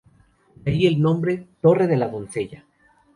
De ahí el nombre "Torre de la Doncella".